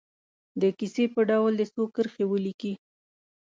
د کیسې په ډول دې څو کرښې ولیکي.